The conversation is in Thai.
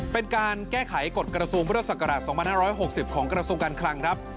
เป็นการแก้ไขกฎกรสุมพุทธศักราช๒๕๖๐ของกรสุมกันครังครับ